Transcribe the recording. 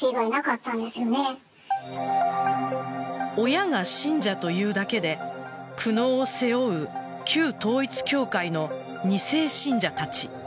親が信者というだけで苦悩を背負う旧統一教会の２世信者たち。